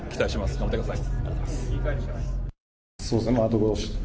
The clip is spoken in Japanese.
頑張ってください。